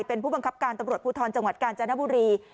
เป็นผู้บังคับการตำรวจภูทรจังหวัดกาญจนบุรี